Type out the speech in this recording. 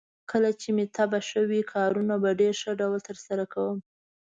کله مې چې طبعه ښه وي، کارونه په ډېر ښه ډول ترسره کوم.